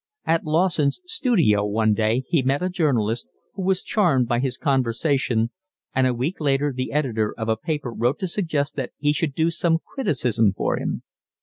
At Lawson's studio one day he met a journalist, who was charmed by his conversation, and a week later the editor of a paper wrote to suggest that he should do some criticism for him.